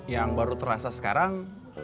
yang baru terasa sekarang